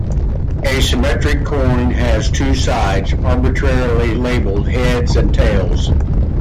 A symmetric coin has two sides, arbitrarily labeled "heads" and "tails".